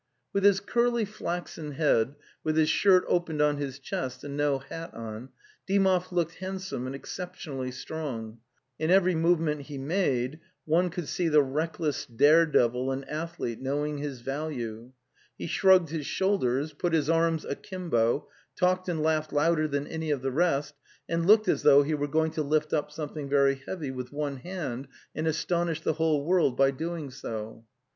With his curly flaxen head, with his shirt opened on his chest and no hat on, Dymov looked handsome and exceptionally strong; in every movement he made one could see the reckless dare devil and athlete, knowing his value. He _ shrugged his shoulders, put his arms akimbo, talked and laughed louder than any of the rest, and looked as though he were going to lift up something: very heavy with one hand and astonish the whole world by doing so.